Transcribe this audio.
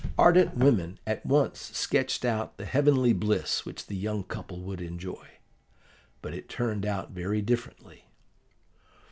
Ardent women at once sketched out the heavenly bliss which the young couple would enjoy. But it turned out very differently.